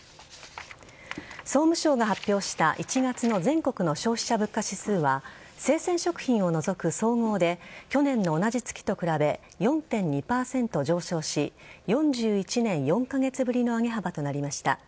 総務省が発表した１月の全国の消費者物価指数は生鮮食品を除く総合で去年の同じ月と比べ４．２％上昇し４１年４カ月ぶりの上げ幅となりました。